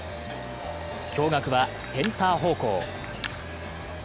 驚がくはセンター方向。